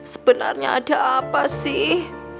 sebenarnya ada apa sih